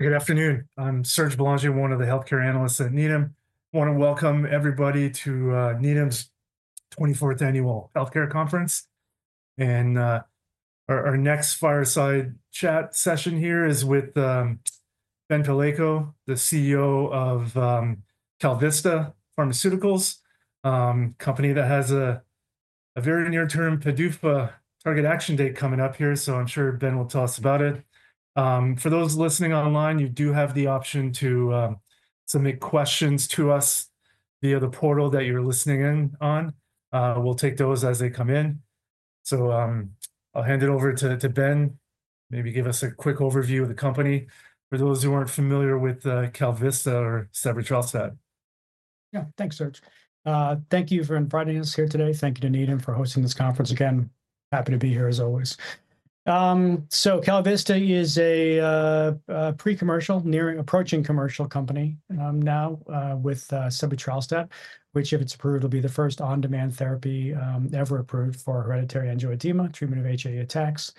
Good afternoon. I'm Serge Belanger, one of the healthcare analysts at Needham. I want to welcome everybody to Needham's 24th Annual Healthcare Conference. Our next fireside chat session here is with Ben Palleiko, the CEO of KalVista Pharmaceuticals, a company that has a very near-term PDUFA target action date coming up here. I'm sure Ben will tell us about it. For those listening online, you do have the option to submit questions to us via the portal that you're listening in on. We'll take those as they come in. I'll hand it over to Ben, maybe give us a quick overview of the company for those who aren't familiar with KalVista or sebetralstat. Yeah, thanks, Serge. Thank you for inviting us here today. Thank you to Needham for hosting this conference again. Happy to be here as always. KalVista is a pre-commercial, nearing approaching commercial company now with sebetralstat, which, if it's approved, will be the first on-demand therapy ever approved for hereditary angioedema, treatment of HAE attacks.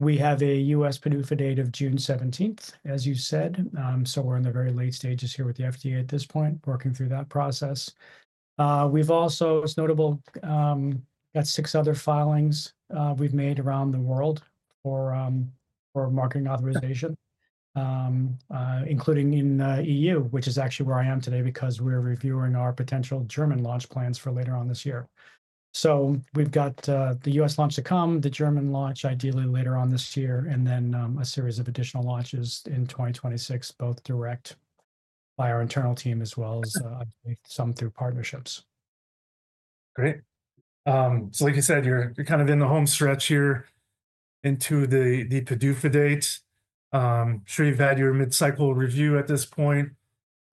We have a U.S. PDUFA date of June 17, as you said. We're in the very late stages here with the FDA at this point, working through that process. We've also, it's notable, got six other filings we've made around the world for marketing authorization, including in the EU, which is actually where I am today because we're reviewing our potential German launch plans for later on this year. We have the U.S. launch to come, the German launch ideally later on this year, and then a series of additional launches in 2026, both direct by our internal team as well as some through partnerships. Great. Like you said, you're kind of in the home stretch here into the PDUFA date. I'm sure you've had your mid-cycle review at this point.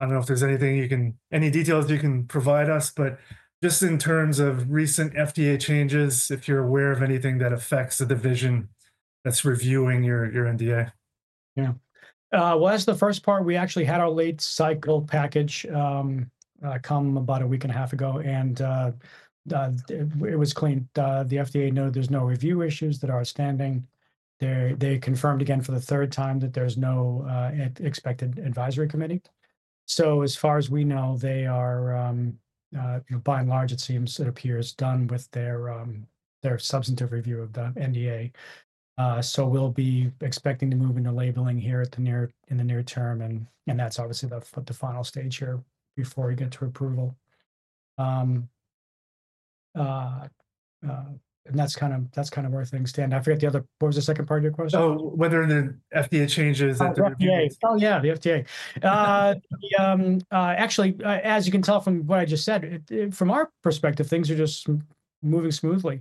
I don't know if there's anything you can, any details you can provide us, but just in terms of recent FDA changes, if you're aware of anything that affects the division that's reviewing your NDA. Yeah. As the first part, we actually had our late-cycle package come about a week-and-a-half ago, and it was clean. The FDA noted there's no review issues that are outstanding. They confirmed again for the third time that there's no expected advisory committee. As far as we know, they are, by and large, it seems, it appears done with their substantive review of the NDA. We'll be expecting to move into labeling here in the near term. That's obviously the final stage here before we get to approval. That's kind of where things stand. I forgot the other, what was the second part of your question? Oh, whether the FDA changes at the review. Oh, the FDA. Oh, yeah, the FDA. Actually, as you can tell from what I just said, from our perspective, things are just moving smoothly.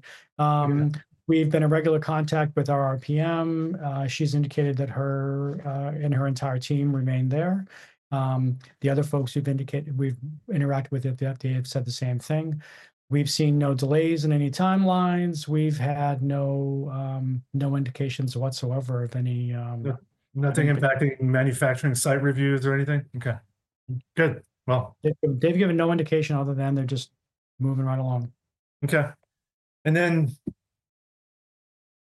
We've been in regular contact with our RPM. She's indicated that her and her entire team remain there. The other folks we've interacted with at the FDA have said the same thing. We've seen no delays in any timelines. We've had no indications whatsoever of any. Nothing impacting manufacturing site reviews or anything? Okay. Good. They've given no indication other than they're just moving right along. Okay. In terms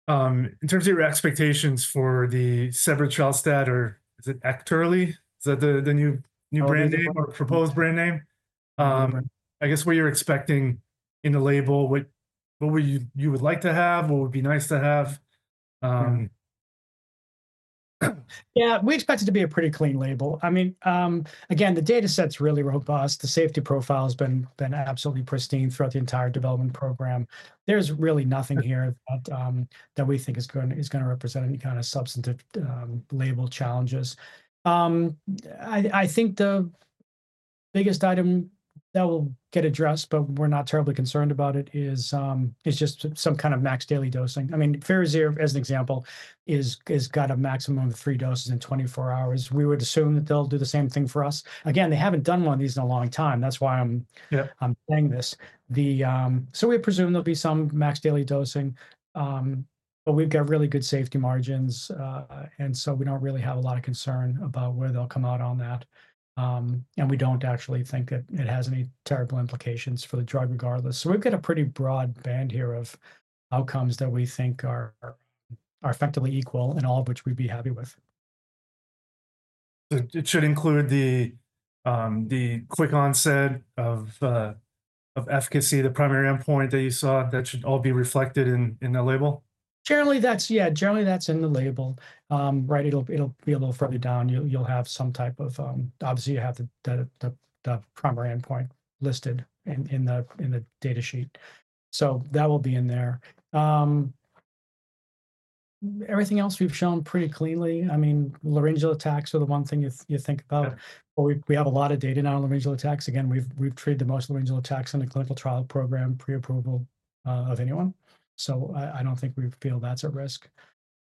of your expectations for the sebetralstat, or is it Ekterly? Is that the new brand name or proposed brand name? I guess what you're expecting in the label, what you would like to have, what would be nice to have? Yeah, we expect it to be a pretty clean label. I mean, again, the data set's really robust. The safety profile has been absolutely pristine throughout the entire development program. There's really nothing here that we think is going to represent any kind of substantive label challenges. I think the biggest item that will get addressed, but we're not terribly concerned about it, is just some kind of max daily dosing. I mean, Firazyr, as an example, has got a maximum of three doses in 24 hours. We would assume that they'll do the same thing for us. Again, they haven't done one of these in a long time. That's why I'm saying this. We presume there'll be some max daily dosing, but we've got really good safety margins, and so we don't really have a lot of concern about where they'll come out on that. We do not actually think that it has any terrible implications for the drug regardless. We have a pretty broad band here of outcomes that we think are effectively equal, and all of which we would be happy with. It should include the quick onset of efficacy, the primary endpoint that you saw, that should all be reflected in the label? Generally, that's yeah, generally that's in the label, right? It'll be a little further down. You'll have some type of obviously, you have the primary endpoint listed in the data sheet. That will be in there. Everything else we've shown pretty cleanly. I mean, laryngeal attacks are the one thing you think about. We have a lot of data now on laryngeal attacks. Again, we've treated the most laryngeal attacks in a clinical trial program pre-approval of anyone. I don't think we feel that's at risk.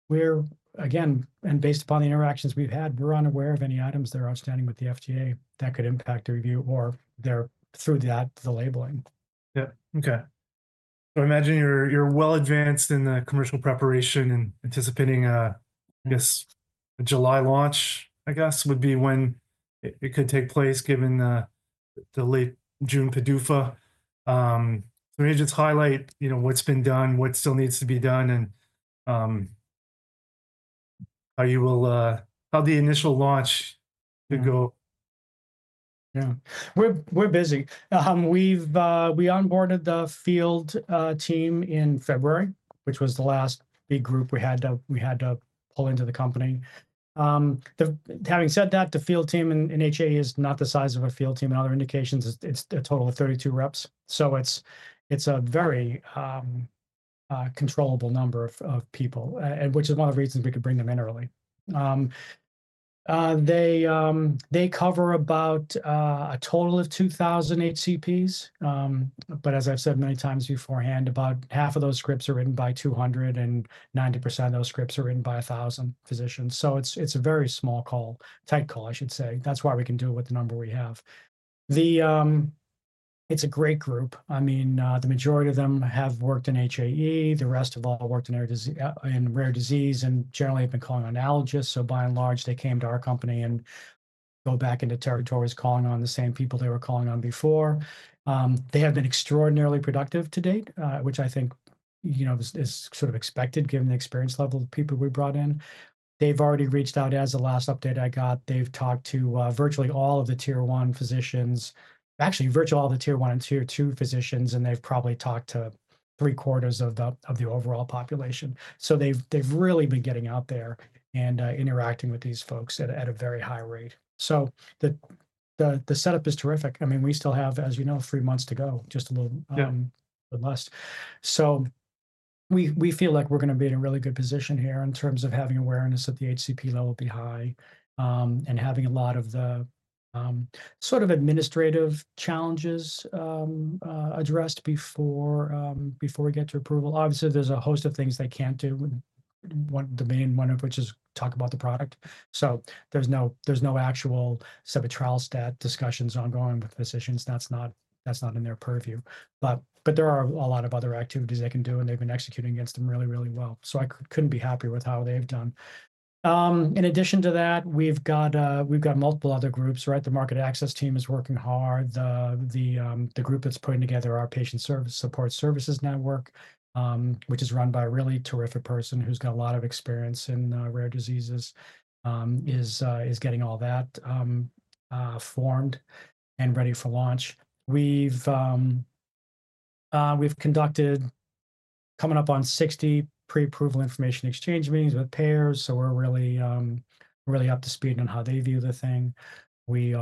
We're, again, and based upon the interactions we've had, we're unaware of any items that are outstanding with the FDA that could impact the review or through the labeling. Yeah. Okay. I imagine you're well advanced in the commercial preparation and anticipating, I guess, a July launch, I guess, would be when it could take place given the late June PDUFA. Maybe just highlight what's been done, what still needs to be done, and how the initial launch could go. Yeah. We're busy. We onboarded the field team in February, which was the last big group we had to pull into the company. Having said that, the field team in HAE is not the size of a field team in other indications. It's a total of 32 reps. It's a very controllable number of people, which is one of the reasons we could bring them in early. They cover about a total of 2,000 HCPs. As I've said many times beforehand, about half of those scripts are written by 200, and 90% of those scripts are written by 1,000 physicians. It's a very small call, tight call, I should say. That's why we can do it with the number we have. It's a great group. I mean, the majority of them have worked in HAE. The rest have all worked in rare disease and generally have been calling on allergists. By and large, they came to our company and go back into territories calling on the same people they were calling on before. They have been extraordinarily productive to date, which I think is sort of expected given the experience level of people we brought in. They've already reached out, as the last update I got, they've talked to virtually all of the tier one physicians, actually virtually all the tier one and tier two physicians, and they've probably talked to three quarters of the overall population. They've really been getting out there and interacting with these folks at a very high rate. The setup is terrific. I mean, we still have, as you know, three months to go, just a little less. We feel like we're going to be in a really good position here in terms of having awareness that the HCP level will be high and having a lot of the sort of administrative challenges addressed before we get to approval. Obviously, there's a host of things they can't do, the main one of which is talk about the product. There's no actual sebetralstat discussions ongoing with physicians. That's not in their purview. There are a lot of other activities they can do, and they've been executing against them really, really well. I couldn't be happier with how they've done. In addition to that, we've got multiple other groups, right? The market access team is working hard. The group that's putting together our patient support services network, which is run by a really terrific person who's got a lot of experience in rare diseases, is getting all that formed and ready for launch. We've conducted coming up on 60 pre-approval information exchange meetings with payers. We're really up to speed on how they view the thing. We've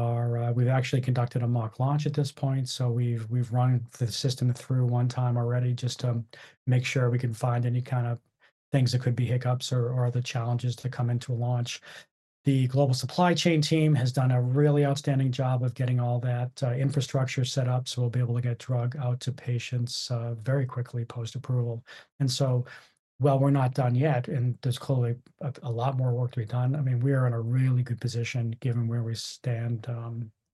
actually conducted a mock launch at this point. We've run the system through one time already just to make sure we can find any kind of things that could be hiccups or other challenges that come into a launch. The global supply chain team has done a really outstanding job of getting all that infrastructure set up so we'll be able to get drug out to patients very quickly post-approval. We're not done yet, and there's clearly a lot more work to be done. I mean, we are in a really good position given where we stand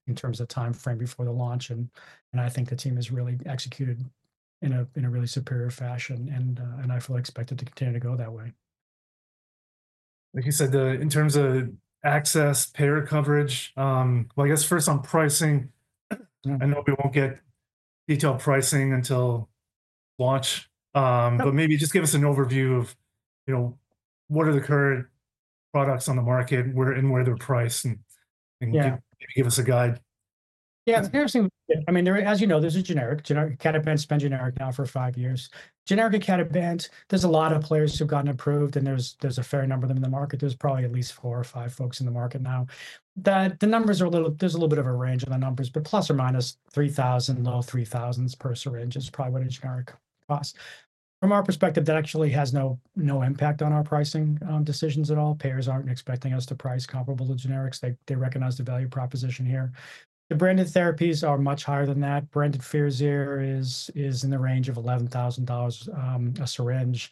in terms of timeframe before the launch. I think the team has really executed in a really superior fashion, and I feel expected to continue to go that way. Like you said, in terms of access, payer coverage, I guess first on pricing, I know we won't get detailed pricing until launch, but maybe just give us an overview of what are the current products on the market and where they're priced and maybe give us a guide. Yeah. I mean, as you know, there's a generic icatibant, been generic now for five years. Generic icatibant, there's a lot of players who've gotten approved, and there's a fair number of them in the market. There's probably at least four or five folks in the market now. The numbers are a little—there's a little bit of a range on the numbers, but plus or minus 3,000, low 3,000s per syringe is probably what a generic costs. From our perspective, that actually has no impact on our pricing decisions at all. Payers aren't expecting us to price comparable to generics. They recognize the value proposition here. The branded therapies are much higher than that. Branded Firazyr is in the range of $11,000 a syringe.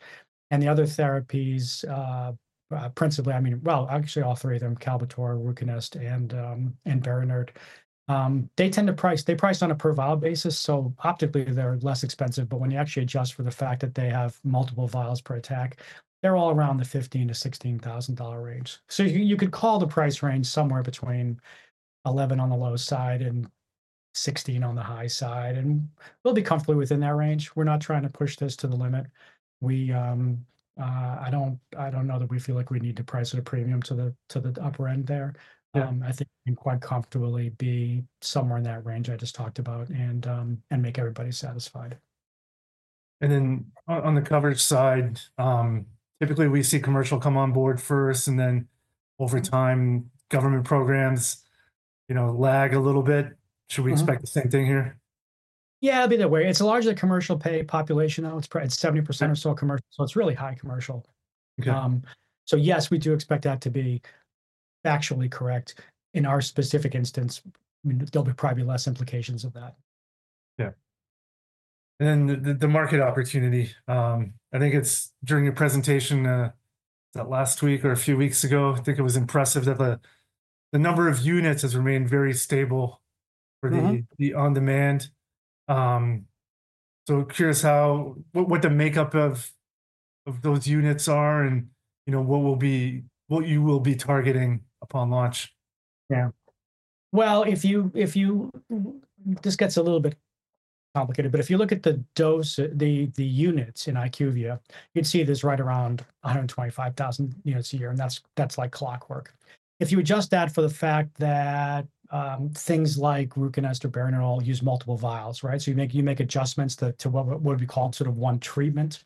The other therapies, principally, I mean, actually all three of them, Kalbitor, Ruconest, and Berinert, they tend to price—they price on a per vial basis. Optically, they're less expensive. When you actually adjust for the fact that they have multiple vials per attack, they're all around the $15,000-$16,000 range. You could call the price range somewhere between $11,000 on the low side and $16,000 on the high side. We'll be comfortably within that range. We're not trying to push this to the limit. I don't know that we feel like we need to price at a premium to the upper end there. I think we can quite comfortably be somewhere in that range I just talked about and make everybody satisfied. On the coverage side, typically we see commercial come on board first, and then over time, government programs lag a little bit. Should we expect the same thing here? Yeah, it'll be that way. It's largely a commercial pay population. It's 70% or so commercial, so it's really high commercial. Yes, we do expect that to be factually correct in our specific instance. There'll probably be less implications of that. Yeah. The market opportunity, I think it's during your presentation last week or a few weeks ago, I think it was impressive that the number of units has remained very stable for the on-demand. Curious what the makeup of those units are and what you will be targeting upon launch. Yeah. This gets a little bit complicated, but if you look at the dose, the units in IQVIA, you'd see this right around 125,000 units a year, and that's like clockwork. If you adjust that for the fact that things like Ruconest or Berinert all use multiple vials, right? You make adjustments to what we call sort of one treatment.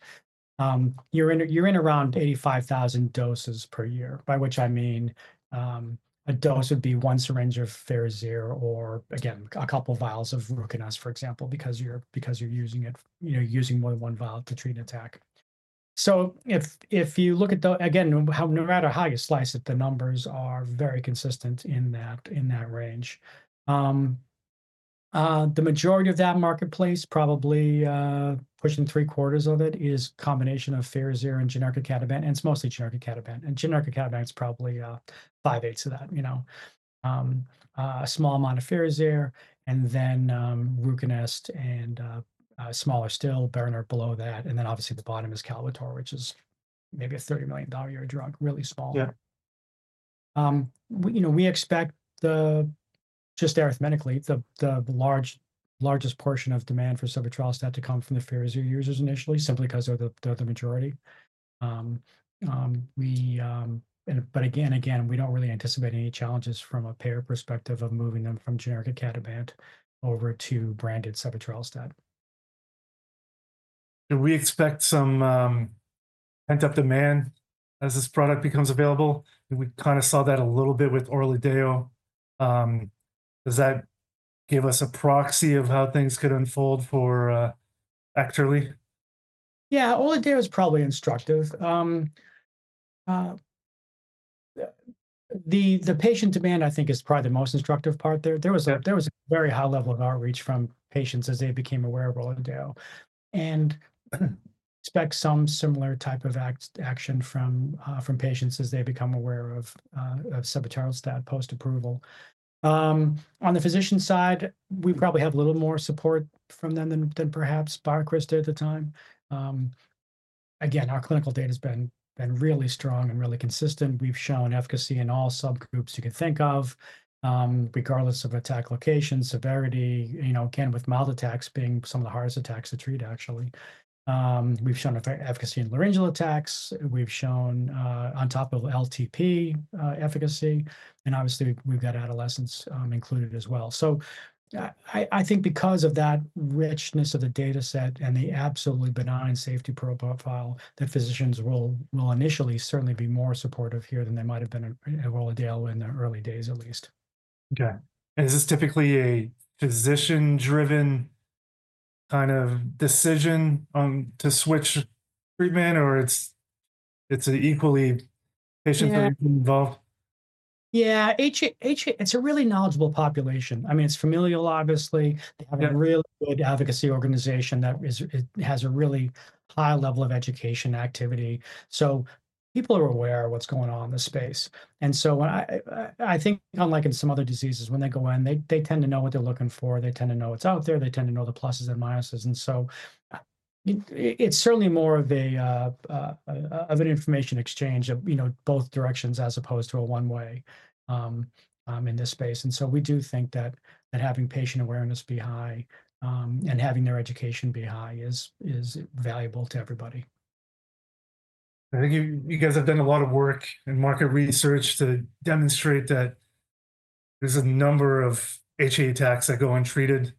You're in around 85,000 doses per year, by which I mean a dose would be one syringe of Firazyr or, again, a couple of vials of Ruconest, for example, because you're using more than one vial to treat an attack. If you look at, again, no matter how you slice it, the numbers are very consistent in that range. The majority of that marketplace, probably pushing three quarters of it, is a combination of Firazyr and generic icatibant. It's mostly generic icatibant. Generic icatibant is probably five-eighths of that, a small amount of Firazyr, and then Ruconest and smaller still, Berinert below that. Obviously the bottom is Kalbitor, which is maybe a $30 million drug, really small. We expect just arithmetically, the largest portion of demand for sebetralstat to come from the Firazyr users initially, simply because they're the majority. Again, we don't really anticipate any challenges from a payer perspective of moving them from generic icatibant over to branded sebetralstat. We expect some pent-up demand as this product becomes available. We kind of saw that a little bit with Orladeyo. Does that give us a proxy of how things could unfold for sebetralstat? Yeah. Orladeyo is probably instructive. The patient demand, I think, is probably the most instructive part there. There was a very high level of outreach from patients as they became aware of Orladeyo. I expect some similar type of action from patients as they become aware of sebetralstat post-approval. On the physician side, we probably have a little more support from them than perhaps BioCryst at the time. Again, our clinical data has been really strong and really consistent. We've shown efficacy in all subgroups you can think of, regardless of attack location, severity, again, with mild attacks being some of the hardest attacks to treat, actually. We've shown efficacy in laryngeal attacks. We've shown on top of LTP efficacy. Obviously, we've got adolescents included as well. I think because of that richness of the dataset and the absolutely benign safety profile, that physicians will initially certainly be more supportive here than they might have been at Orladeyo in the early days, at least. Okay. Is this typically a physician-driven kind of decision to switch treatment, or it's an equally patient-friendly involved? Yeah. It's a really knowledgeable population. I mean, it's familial, obviously. They have a really good advocacy organization that has a really high level of education activity. People are aware of what's going on in the space. I think, unlike in some other diseases, when they go in, they tend to know what they're looking for. They tend to know what's out there. They tend to know the pluses and minuses. It's certainly more of an information exchange of both directions as opposed to a one-way in this space. We do think that having patient awareness be high and having their education be high is valuable to everybody. I think you guys have done a lot of work in market research to demonstrate that there's a number of HAE attacks that go untreated.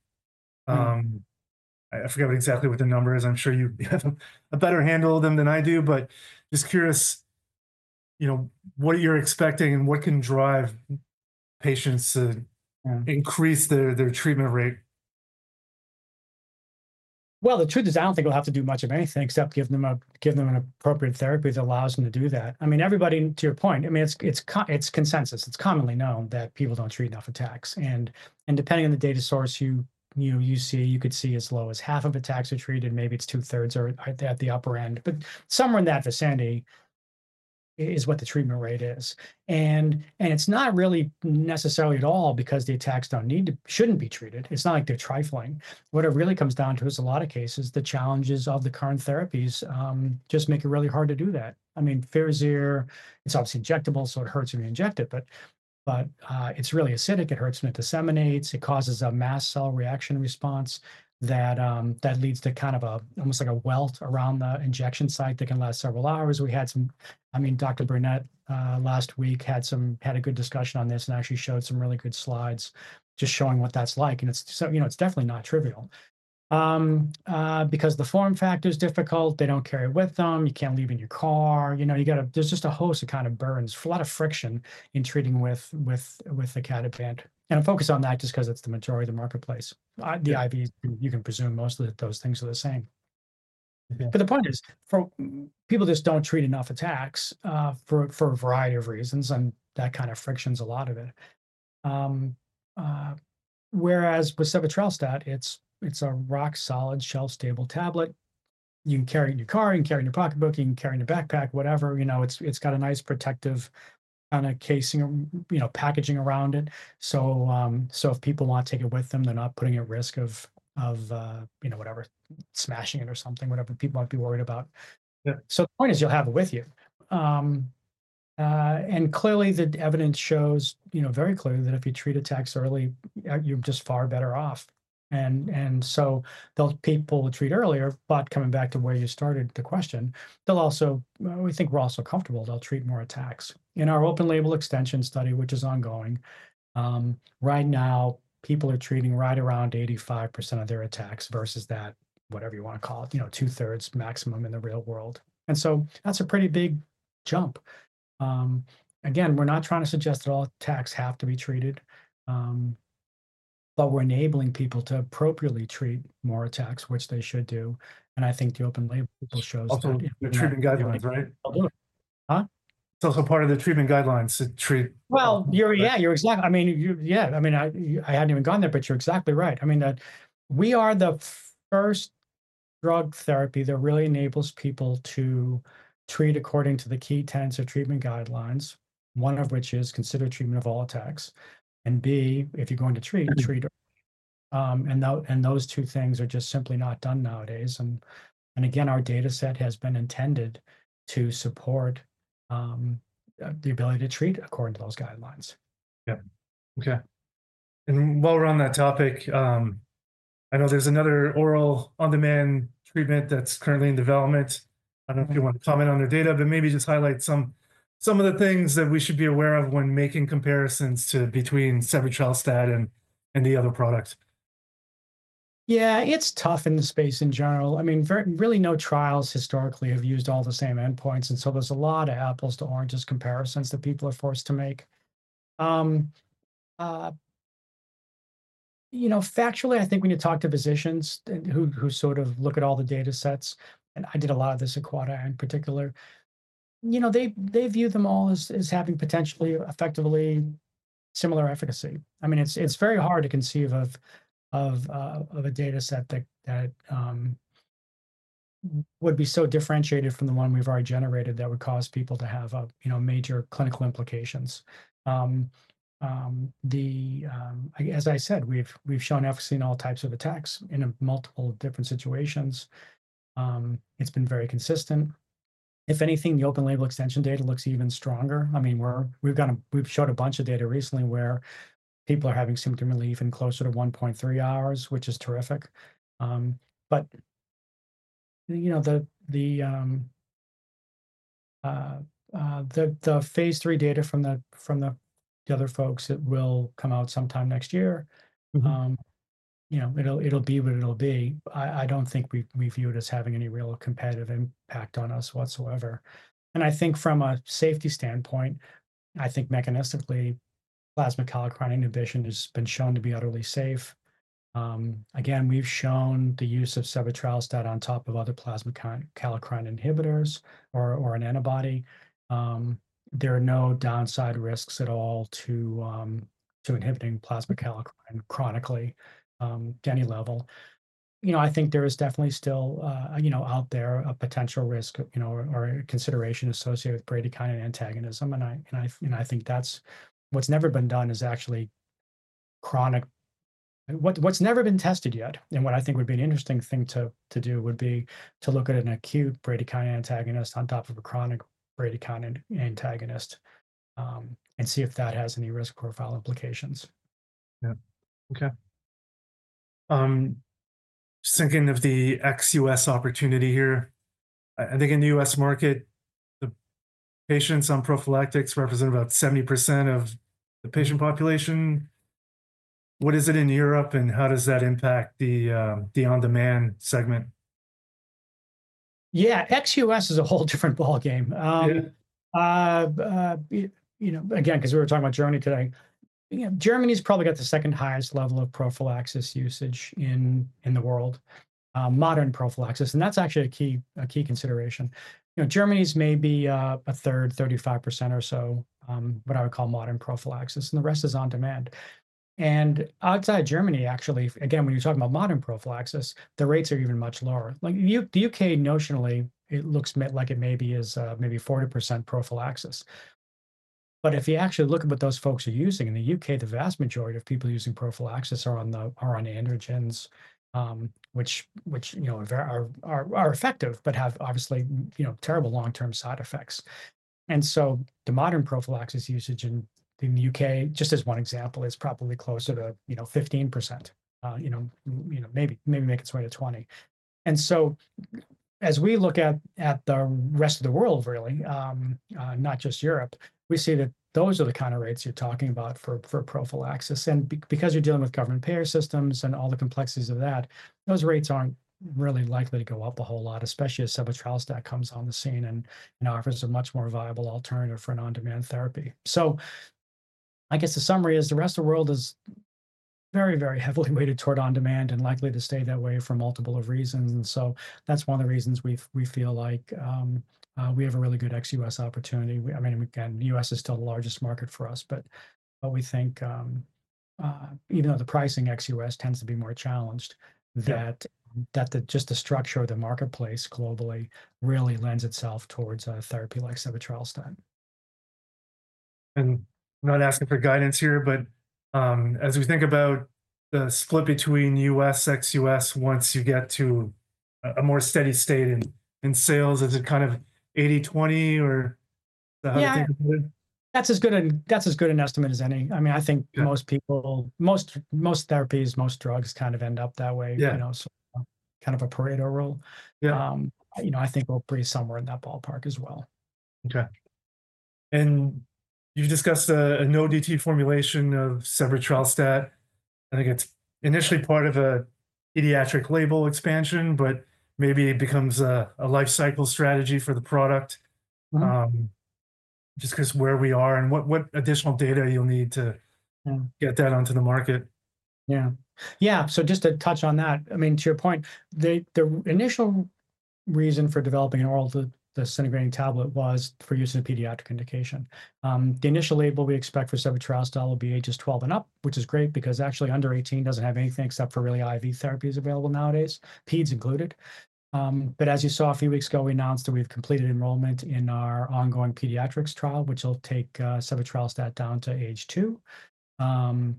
I forgot exactly what the number is. I'm sure you have a better handle of them than I do, but just curious what you're expecting and what can drive patients to increase their treatment rate. The truth is I don't think we'll have to do much of anything except give them an appropriate therapy that allows them to do that. I mean, everybody, to your point, I mean, it's consensus. It's commonly known that people don't treat enough attacks. And depending on the data source you see, you could see as low as half of attacks are treated. Maybe it's two-thirds or at the upper end. Somewhere in that vicinity is what the treatment rate is. It's not really necessarily at all because the attacks shouldn't be treated. It's not like they're trifling. What it really comes down to is, in a lot of cases, the challenges of the current therapies just make it really hard to do that. I mean, Firazyr, it's obviously injectable, so it hurts when you inject it. It's really acidic. It hurts when it disseminates. It causes a mast cell reaction response that leads to kind of almost like a welt around the injection site that can last several hours. I mean, Dr. Burnett last week had a good discussion on this and actually showed some really good slides just showing what that's like. It is definitely not trivial because the form factor is difficult. They do not carry with them. You cannot leave in your car. There is just a host of kind of burdens, a lot of friction in treating with the injectables. I am focused on that just because it is the majority of the marketplace. The IVs, you can presume mostly that those things are the same. The point is people just do not treat enough attacks for a variety of reasons, and that kind of friction is a lot of it. Whereas with sebetralstat, it is a rock-solid, shelf-stable tablet. You can carry it in your car. You can carry it in your pocketbook. You can carry it in your backpack, whatever. It has a nice protective kind of casing or packaging around it. If people want to take it with them, they're not putting it at risk of, whatever, smashing it or something, whatever people might be worried about. The point is you'll have it with you. Clearly, the evidence shows very clearly that if you treat attacks early, you're just far better off. People will treat earlier. Coming back to where you started the question, we think we're also comfortable they'll treat more attacks. In our open-label extension study, which is ongoing right now, people are treating right around 85% of their attacks versus that, whatever you want to call it, two-thirds maximum in the real world. That is a pretty big jump. Again, we're not trying to suggest that all attacks have to be treated, but we're enabling people to appropriately treat more attacks, which they should do. I think the open-label shows that. Also in the treatment guidelines, right? Huh? It's also part of the treatment guidelines to treat. Yeah, you're exactly right. I mean, yeah. I mean, I hadn't even gone there, but you're exactly right. I mean, we are the first drug therapy that really enables people to treat according to the key tenets of treatment guidelines, one of which is consider treatment of all attacks, and B, if you're going to treat, treat. Those two things are just simply not done nowadays. Again, our dataset has been intended to support the ability to treat according to those guidelines. Yeah. Okay. While we're on that topic, I know there's another oral on-demand treatment that's currently in development. I don't know if you want to comment on their data, but maybe just highlight some of the things that we should be aware of when making comparisons between sebetralstat and the other products. Yeah. It's tough in the space in general. I mean, really no trials historically have used all the same endpoints. There is a lot of apples-to-oranges comparisons that people are forced to make. Factually, I think when you talk to physicians who sort of look at all the datasets, and I did a lot of this at [KalVista] in particular, they view them all as having potentially, effectively similar efficacy. I mean, it's very hard to conceive of a dataset that would be so differentiated from the one we've already generated that would cause people to have major clinical implications. As I said, we've shown efficacy in all types of attacks in multiple different situations. It's been very consistent. If anything, the open-label extension data looks even stronger. I mean, we've showed a bunch of data recently where people are having symptom relief in closer to 1.3 hours, which is terrific. The phase three data from the other folks, it will come out sometime next year. It'll be what it'll be. I don't think we view it as having any real competitive impact on us whatsoever. I think from a safety standpoint, mechanistically, plasma kallikrein inhibition has been shown to be utterly safe. Again, we've shown the use of sebetralstat on top of other plasma kallikrein inhibitors or an antibody. There are no downside risks at all to inhibiting plasma kallikrein chronically to any level. I think there is definitely still out there a potential risk or consideration associated with bradykinin antagonism. I think what's never been done is actually chronic what's never been tested yet. What I think would be an interesting thing to do would be to look at an acute bradykinin antagonist on top of a chronic bradykinin antagonist and see if that has any risk profile implications. Yeah. Okay. Just thinking of the ex-US opportunity here. I think in the U.S. market, the patients on prophylactics represent about 70% of the patient population. What is it in Europe, and how does that impact the on-demand segment? Yeah. ex-US is a whole different ball game. Again, because we were talking about Germany today, Germany's probably got the second highest level of prophylaxis usage in the world, modern prophylaxis. That's actually a key consideration. Germany's maybe a third, 35% or so, what I would call modern prophylaxis. The rest is on-demand. Outside Germany, actually, when you're talking about modern prophylaxis, the rates are even much lower. The U.K., notionally, it looks like it maybe is maybe 40% prophylaxis. If you actually look at what those folks are using in the U.K., the vast majority of people using prophylaxis are on androgens, which are effective but have obviously terrible long-term side effects. The modern prophylaxis usage in the U.K., just as one example, is probably closer to 15%, maybe make its way to 20%. As we look at the rest of the world, really, not just Europe, we see that those are the kind of rates you're talking about for prophylaxis. Because you're dealing with government payer systems and all the complexities of that, those rates aren't really likely to go up a whole lot, especially as sebetralstat comes on the scene and offers a much more viable alternative for an on-demand therapy. I guess the summary is the rest of the world is very, very heavily weighted toward on-demand and likely to stay that way for multiple reasons. That's one of the reasons we feel like we have a really good ex-US opportunity. I mean, again, the U.S. is still the largest market for us, but we think even though the pricing ex-US tends to be more challenged, that just the structure of the marketplace globally really lends itself towards a therapy like sebetralstat. I'm not asking for guidance here, but as we think about the split between US, ex-US, once you get to a more steady state in sales, is it kind of 80/20 or how do you think? Yeah. That's as good an estimate as any. I mean, I think most therapies, most drugs kind of end up that way. Kind of a Pareto rule. I think we'll be somewhere in that ballpark as well. Okay. You discussed an ODT formulation of sebetralstat. I think it's initially part of a pediatric label expansion, but maybe it becomes a lifecycle strategy for the product just because where we are and what additional data you'll need to get that onto the market. Yeah. Yeah. Just to touch on that, I mean, to your point, the initial reason for developing an orally disintegrating tablet was for use in a pediatric indication. The initial label we expect for sebetralstat will be ages 12 and up, which is great because actually under 18 does not have anything except for really IV therapies available nowadays, peds included. As you saw a few weeks ago, we announced that we have completed enrollment in our ongoing pediatrics trial, which will take sebetralstat down to age two. For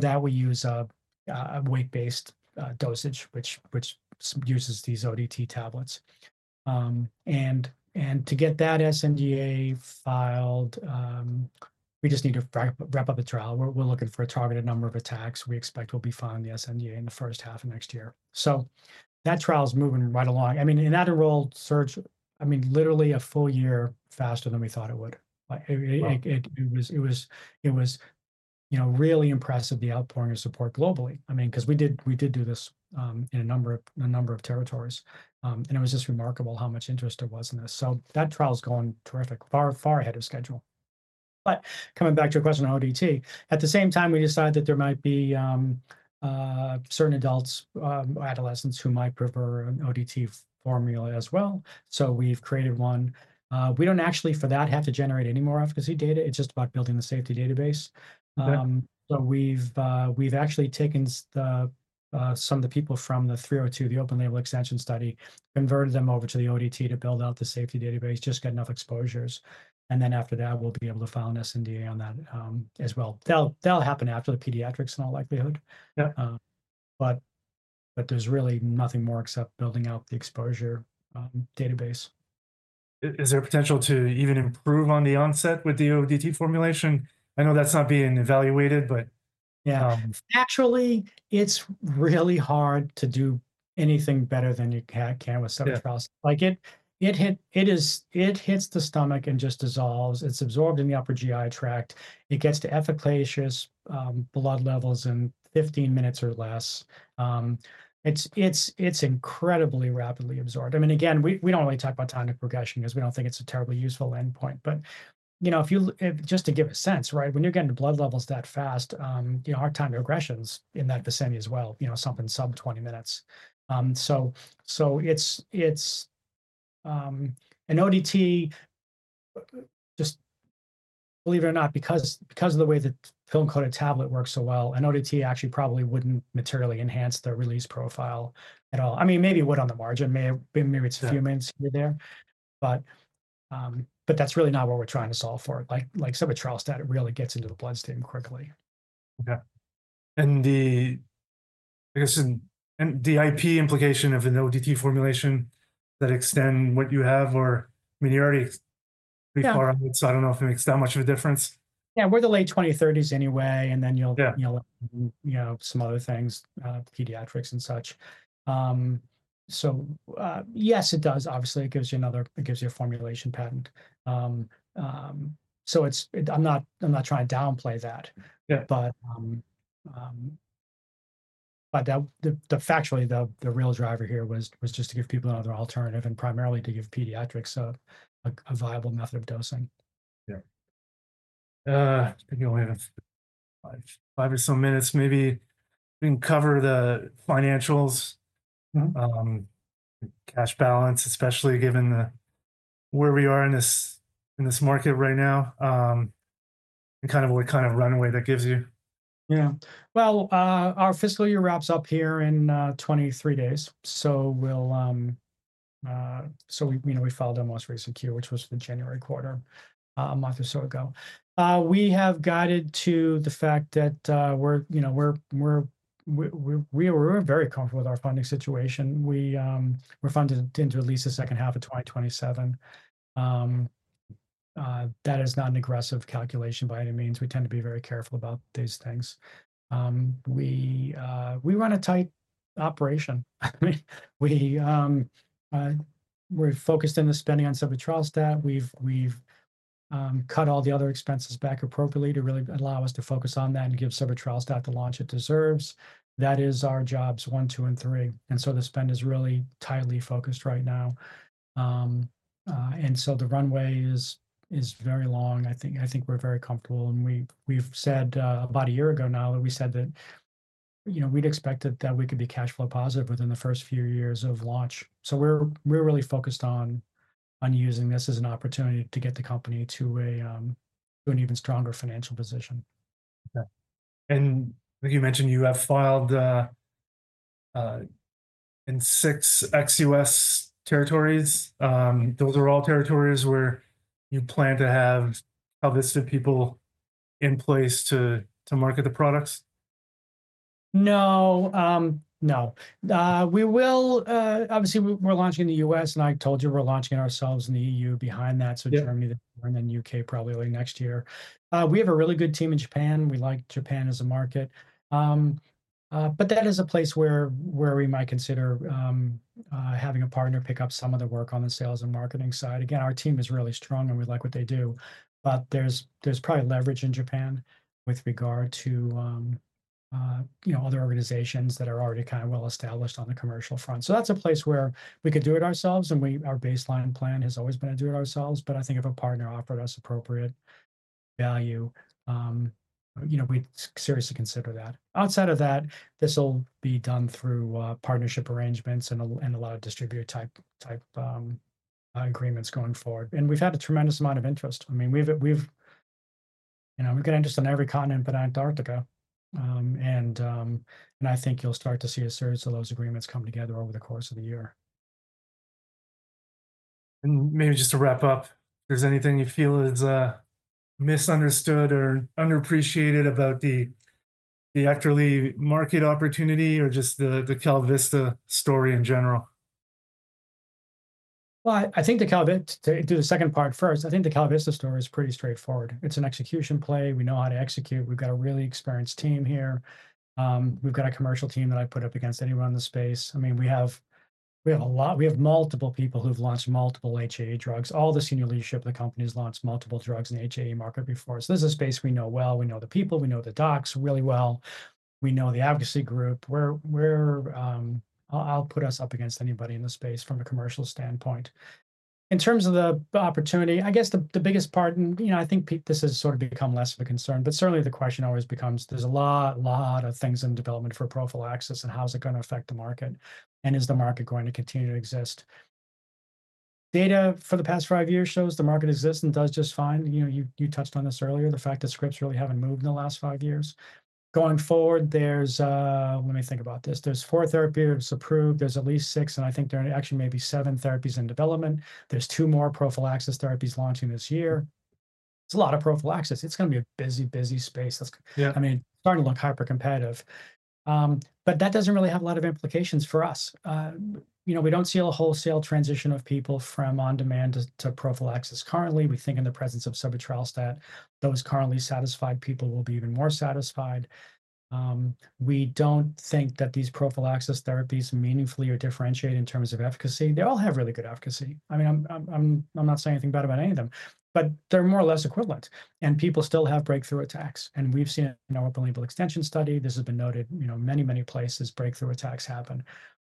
that, we use a weight-based dosage, which uses these ODT tablets. To get that sNDA filed, we just need to wrap up the trial. We are looking for a targeted number of attacks and we expect we will be filing the sNDA in the first half of next year. That trial is moving right along. I mean, in that enrolled search, I mean, literally a full year faster than we thought it would. It was really impressive, the outpouring of support globally. I mean, because we did do this in a number of territories. It was just remarkable how much interest there was in this. That trial is going terrific, far ahead of schedule. Coming back to your question on ODT, at the same time, we decided that there might be certain adults or adolescents who might prefer an ODT formula as well. We've created one. We don't actually, for that, have to generate any more efficacy data. It's just about building the safety database. We've actually taken some of the people from the 302, the open-label extension study, converted them over to the ODT to build out the safety database, just get enough exposures. After that, we'll be able to file an sNDA on that as well. That'll happen after the pediatrics in all likelihood. There's really nothing more except building out the exposure database. Is there a potential to even improve on the onset with the ODT formulation? I know that's not being evaluated, but. Yeah. Actually, it's really hard to do anything better than you can with sebetralstat. It hits the stomach and just dissolves. It's absorbed in the upper GI tract. It gets to efficacious blood levels in 15 minutes or less. It's incredibly rapidly absorbed. I mean, again, we don't really talk about time to progression because we don't think it's a terribly useful endpoint. Just to give a sense, right, when you're getting to blood levels that fast, our time to progression's in that vicinity as well, something sub-20 minutes. An ODT, just believe it or not, because of the way the film-coated tablet works so well, an ODT actually probably wouldn't materially enhance the release profile at all. I mean, maybe it would on the margin. Maybe it's a few minutes here or there. That's really not what we're trying to solve for. Like sebetralstat, it really gets into the bloodstream quickly. Okay. And the IP implication of an ODT formulation that extends what you have or I mean, you're already pretty far out, so I don't know if it makes that much of a difference. Yeah. We're the late 2030s anyway, and then you'll some other things, pediatrics and such. Yes, it does. Obviously, it gives you another it gives you a formulation patent. I'm not trying to downplay that. Factually, the real driver here was just to give people another alternative and primarily to give pediatrics a viable method of dosing. Yeah. I think we only have five or so minutes. Maybe we can cover the financials, cash balance, especially given where we are in this market right now and kind of what kind of runway that gives you. Yeah. Our fiscal year wraps up here in 23 days. We filed our most recent year, which was the January quarter, a month or so ago. We have guided to the fact that we were very comfortable with our funding situation. We're funded into at least the second half of 2027. That is not an aggressive calculation by any means. We tend to be very careful about these things. We run a tight operation. I mean, we're focused in the spending on sebetralstat. We've cut all the other expenses back appropriately to really allow us to focus on that and give sebetralstat the launch it deserves. That is our jobs, one, two, and three. The spend is really tightly focused right now. The runway is very long. I think we're very comfortable. About a year ago now, we said that we'd expected that we could be cash flow positive within the first few years of launch. We are really focused on using this as an opportunity to get the company to an even stronger financial position. Okay. You mentioned you have filed in six ex-U.S. territories. Those are all territories where you plan to have a list of people in place to market the products? No. No. Obviously, we're launching in the U.S., and I told you we're launching ourselves in the EU behind that. Germany, then the U.K., probably late next year. We have a really good team in Japan. We like Japan as a market. That is a place where we might consider having a partner pick up some of the work on the sales and marketing side. Again, our team is really strong, and we like what they do. There is probably leverage in Japan with regard to other organizations that are already kind of well established on the commercial front. That is a place where we could do it ourselves, and our baseline plan has always been to do it ourselves. I think if a partner offered us appropriate value, we'd seriously consider that. Outside of that, this will be done through partnership arrangements and a lot of distributor-type agreements going forward. I mean, we've had a tremendous amount of interest. I mean, we've got interest on every continent, but Antarctica. I think you'll start to see a series of those agreements come together over the course of the year. Maybe just to wrap up, if there's anything you feel is misunderstood or underappreciated about the Ekterly market opportunity or just the KalVista story in general. I think the KalVista story is pretty straightforward. It's an execution play. We know how to execute. We've got a really experienced team here. We've got a commercial team that I put up against anyone in the space. I mean, we have a lot. We have multiple people who've launched multiple HAE drugs. All the senior leadership of the company has launched multiple drugs in the HAE market before. This is a space we know well. We know the people. We know the docs really well. We know the advocacy group. I'll put us up against anybody in the space from a commercial standpoint. In terms of the opportunity, I guess the biggest part, and I think this has sort of become less of a concern, but certainly the question always becomes, there's a lot of things in development for prophylaxis, and how is it going to affect the market? Is the market going to continue to exist? Data for the past five years shows the market exists and does just fine. You touched on this earlier, the fact that scripts really haven't moved in the last five years. Going forward, let me think about this. There's four therapies approved. There's at least six, and I think there are actually maybe seven therapies in development. There's two more prophylaxis therapies launching this year. It's a lot of prophylaxis. It's going to be a busy, busy space. I mean, it's starting to look hyper-competitive. That does not really have a lot of implications for us. We do not see a wholesale transition of people from on-demand to prophylaxis currently. We think in the presence of sebetralstat, those currently satisfied people will be even more satisfied. We do not think that these prophylaxis therapies meaningfully are differentiated in terms of efficacy. They all have really good efficacy. I mean, I am not saying anything bad about any of them, but they are more or less equivalent. People still have breakthrough attacks. We have seen an open-label extension study. This has been noted many, many places. Breakthrough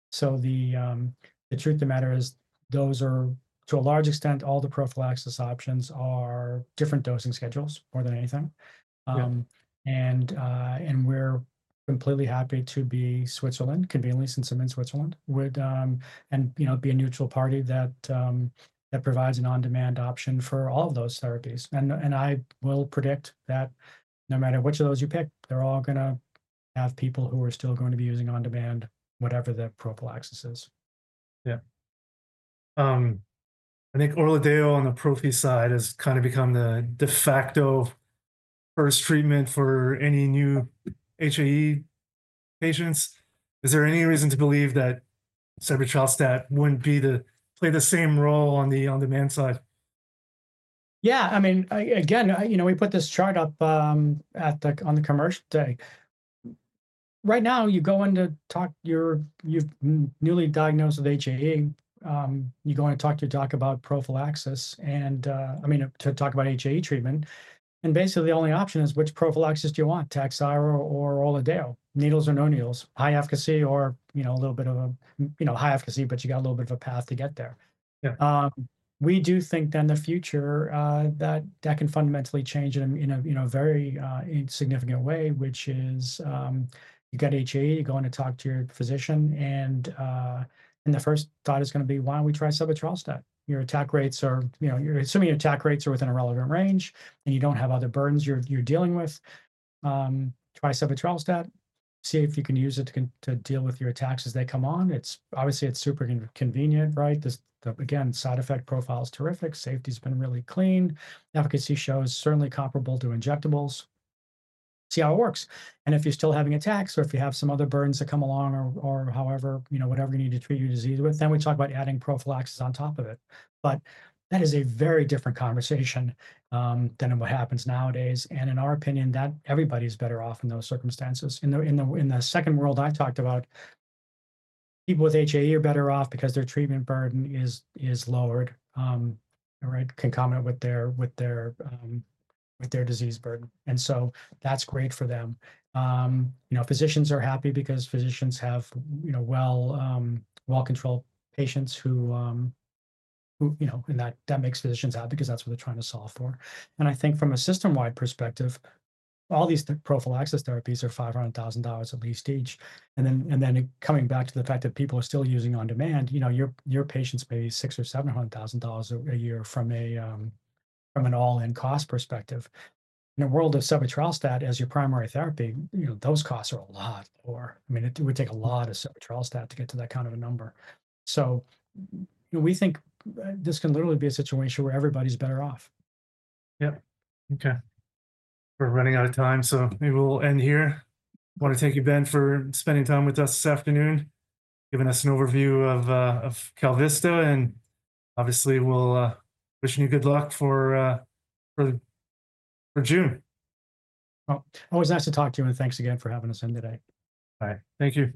attacks happen. The truth of the matter is those are, to a large extent, all the prophylaxis options are different dosing schedules more than anything. We're completely happy to be Switzerland, conveniently since I'm in Switzerland, and be a neutral party that provides an on-demand option for all of those therapies. I will predict that no matter which of those you pick, they're all going to have people who are still going to be using on-demand, whatever the prophylaxis is. Yeah. I think Orladeyo on the prophy side has kind of become the de facto first treatment for any new HAE patients. Is there any reason to believe that sebetralstat wouldn't play the same role on the on-demand side? Yeah. I mean, again, we put this chart up on the commercial day. Right now, you go in to talk, you're newly diagnosed with HAE. You go in to talk to your doc about prophylaxis and, I mean, to talk about HAE treatment. Basically, the only option is, which prophylaxis do you want? Takhzyro or Orladeyo? Needles or no needles? High efficacy or a little bit of a high efficacy, but you got a little bit of a path to get there. We do think that in the future, that can fundamentally change in a very significant way, which is you get HAE, you go in to talk to your physician, and the first thought is going to be, why don't we try sebetralstat? Your attack rates are, assuming your attack rates are within a relevant range, and you don't have other burdens you're dealing with. Try sebetralstat. See if you can use it to deal with your attacks as they come on. Obviously, it's super convenient, right? Again, side effect profile is terrific. Safety has been really clean. Efficacy shows certainly comparable to injectables. See how it works. If you're still having attacks or if you have some other burdens that come along or however, whatever you need to treat your disease with, then we talk about adding prophylaxis on top of it. That is a very different conversation than what happens nowadays. In our opinion, everybody's better off in those circumstances. In the second world I talked about, people with HAE are better off because their treatment burden is lowered, right, concomitant with their disease burden. That is great for them. Physicians are happy because physicians have well-controlled patients who that makes physicians happy because that's what they're trying to solve for. I think from a system-wide perspective, all these prophylaxis therapies are $500,000 at least each. Then coming back to the fact that people are still using on-demand, your patients pay $600,000 or $700,000 a year from an all-in cost perspective. In a world of sebetralstat as your primary therapy, those costs are a lot lower. I mean, it would take a lot of sebetralstat to get to that kind of a number. We think this can literally be a situation where everybody's better off. Yep. Okay. We're running out of time, so maybe we'll end here. I want to thank you, Ben, for spending time with us this afternoon, giving us an overview of KalVista. And obviously, we'll wish you good luck for June. Always nice to talk to you, and thanks again for having us in today. All right. Thank you.